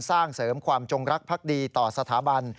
สร้างเสริมความจงรักภักดีต่อสถาบัน